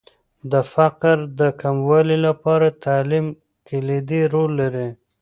د فقر د کموالي لپاره تعلیم کلیدي رول لري.